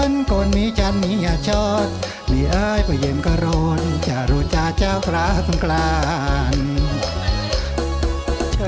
ลุงสวัสดิ์ร้องเพลงภาษามนต์